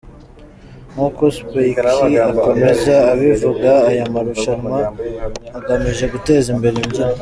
Nkuko Spikey akomeza abivuga aya marushanwa agamije guteza imbere imbyino.